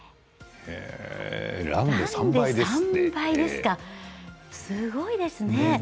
すごいですね。